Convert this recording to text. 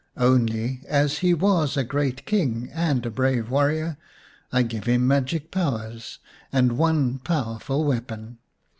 Only, as he was a great King and a brave warrior, I give him magic powers and one powerful weapon.